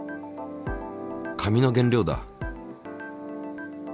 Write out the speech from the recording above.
紙の原料だ。